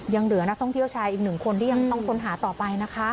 ยังเหลือนักท่องเที่ยวชายอีกหนึ่งคนที่ยังต้องค้นหาต่อไปนะคะ